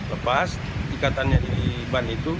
lepas ikatannya di ban itu